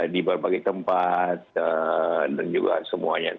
di berbagai tempat dan juga semuanya